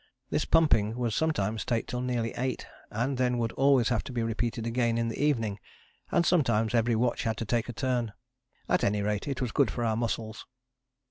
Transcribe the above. This pumping would sometimes take till nearly eight, and then would always have to be repeated again in the evening, and sometimes every watch had to take a turn. At any rate it was good for our muscles.